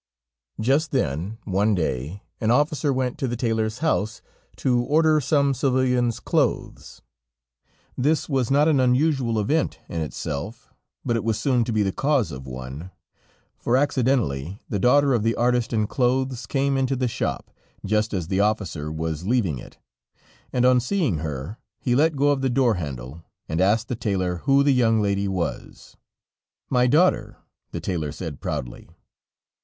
Just then, one day an officer went to the tailor's house, to order some civilian's clothes. This was not an unusual event in itself, but it was soon to be the cause of one; for accidentally the daughter of the artist in clothes came into the shop, just as the officer was leaving it, and on seeing her, he let go of the door handle, and asked the tailor who the young lady was. "My daughter," the tailor said, proudly.